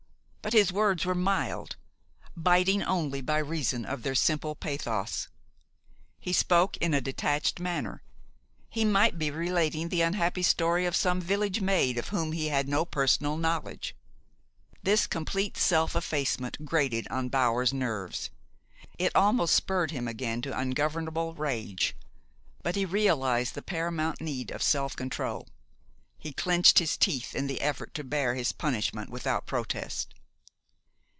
But his words were mild, biting only by reason of their simple pathos. He spoke in a detached manner. He might be relating the unhappy story of some village maid of whom he had no personal knowledge. This complete self effacement grated on Bower's nerves. It almost spurred him again to ungovernable rage. But he realized the paramount need of self control. He clenched his teeth in the effort to bear his punishment without protest.